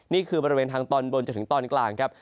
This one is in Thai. บริเวณทางตอนบนจนถึงตอนกลางครับ